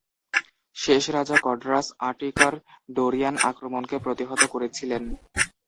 শেষ রাজা কডরাস আটিকার ডোরিয়ান আক্রমণকে প্রতিহত করেছিলেন।